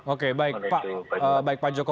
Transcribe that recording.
oke baik pak joko